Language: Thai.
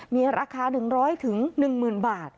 มีราคา๑๐๐๑๐๐๐บาท